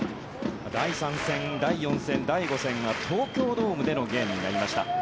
第３戦、第４戦、第５戦は東京ドームでのゲームになりました。